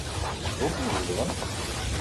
Wukud zedɣen?